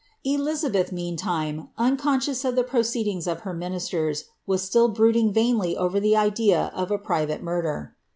lizabeth, meantimei unconscious of the proceedings of her ministers, still brooding vainly over the idea of a private murder.